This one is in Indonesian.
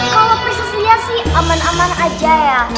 kalau prinses lia sih aman aman aja ya